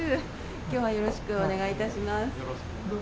きょうはよろしくお願いいたします。